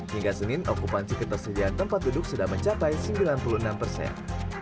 hingga senin okupansi ketersediaan tempat duduk sudah mencapai sembilan puluh enam persen